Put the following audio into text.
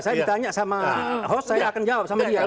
saya ditanya sama host saya akan jawab sama dia